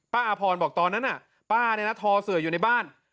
อาพรบอกตอนนั้นป้าเนี่ยนะทอเสืออยู่ในบ้าน